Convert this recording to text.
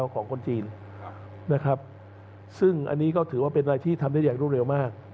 ของคนจีนนะครับซึ่งอันนี้ก็ถือว่าเป็นอะไรที่ทำได้อย่างรวดเร็วมาก